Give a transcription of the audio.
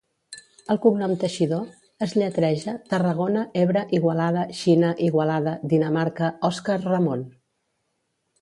El cognom 'Teixidor' es lletreja Tarragona-Ebre-Igualada-Xina-Igualada-Dinamarca-Òscar-Ramon.